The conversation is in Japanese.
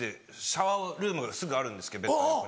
シャワールームがすぐあるんですけどベッドの横に。